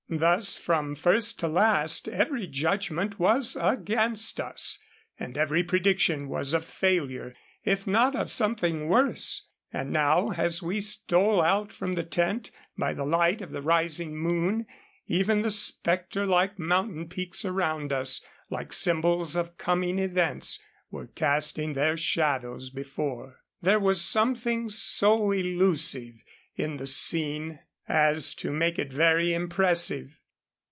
Thus, from first to last, every judgment was against us, and every prediction was of failure, if not of something worse; and now, as we stole out from the tent by the light of the rising moon, even the specter like mountain peaks around us, like symbols of coming events, were casting their shadows before. There was something so illusive in the scene 143 as to make it very impressive.